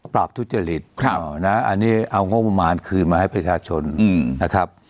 ปราบทุจริตครับนะอันนี้เอางบมหาลคืนมาให้ประชาชนอืมนะครับ